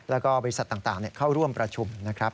แล้วก็บริษัทต่างเข้าร่วมประชุมนะครับ